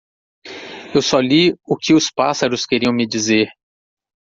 Eu só li o que os pássaros queriam me dizer.